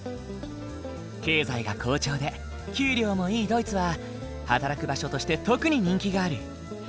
経済が好調で給料もいいドイツは働く場所として特に人気がある。